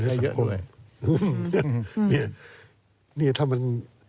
หื้มนี่ถ้ามัน